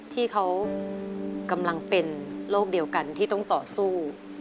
ที่เขากำลังเป็นโรคเดียวกันที่ต้องต่อสู้